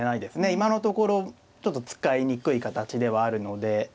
今のところちょっと使いにくい形ではあるので。